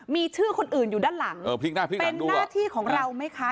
มีชื่อคนอื่นอยู่ด้านหลังเป็นหน้าที่ของเราไหมคะ